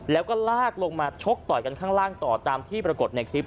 แล้วก็ลากลงมาชกต่อยกันข้างล่างต่อตามที่ปรากฏในคลิป